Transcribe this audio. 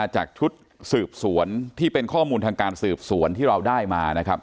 จากชุดสืบสวนที่เป็นข้อมูลทางการสืบสวนที่เราได้มานะครับ